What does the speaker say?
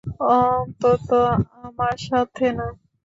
অন্তত আমার সাথে না!